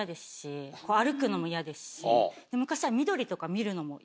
昔は。